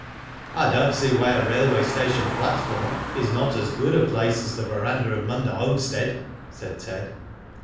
"I don^t see why a railway station platform is not as good a place as the verandah of Munda homestead," said Ted.